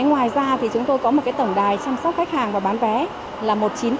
ngoài ra chúng tôi có một tổng đài chăm sóc khách hàng và bán vé là một triệu chín trăm linh nghìn một trăm linh chín